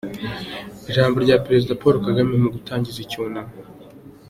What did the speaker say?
Ijambo rya Perezida Paul Kagame mu gutangiza icyunamo